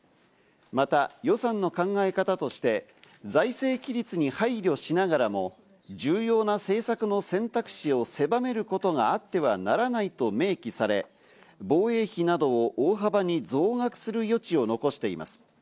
また予算の考え方として財政規律に配慮しながらも重要な政策の選択肢をせばめることがあってはならないと明記され、防衛費などを大幅に増額する余地を残しています。